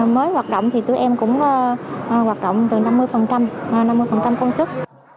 mới hoạt động thì tụi em cũng hoạt động từ năm mươi công sức